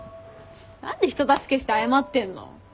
何で人助けして謝ってんの。